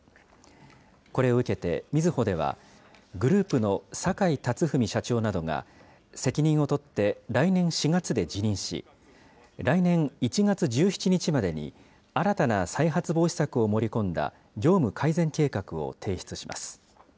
これを受けて、みずほでは、グループの坂井辰史社長などが、責任を取って来年４月で辞任し、来年１月１７日までに、新たな再発防止策を盛り込んだ業務改善計画を提出します。